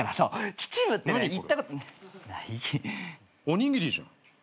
おにぎりじゃん。